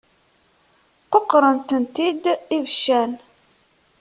Quqṛen-tent-id ibeccan.